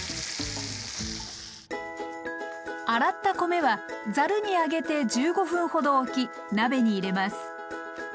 洗った米はざるに上げて１５分ほどおき鍋に入れます。